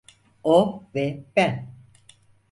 O ve ben…